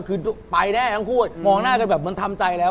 คือไปได้ทั้งคู่มองหน้ากันแบบมันทำใจแล้ว